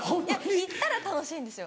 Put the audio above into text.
行ったら楽しいんですよ。